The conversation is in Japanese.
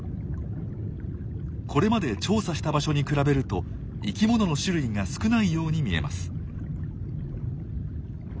これまで調査した場所に比べると生きものの種類が少ないように見えます。